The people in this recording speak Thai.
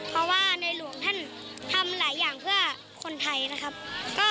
เพราะว่าในหลวงท่านทำหลายอย่างเพื่อคนไทยนะครับ